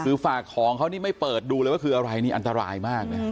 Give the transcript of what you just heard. คือฝากของเขานี่ไม่เปิดดูเลยว่าคืออะไรนี่อันตรายมากนะ